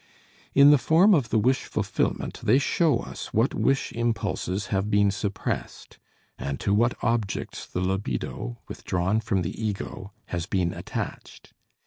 In the form of the wish fulfillment they show us what wish impulses have been suppressed, and to what objects the libido, withdrawn from the ego, has been attached.